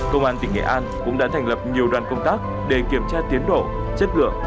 công an tỉnh nghệ an cũng đã thành lập nhiều đoàn công tác để kiểm tra tiến độ chất lượng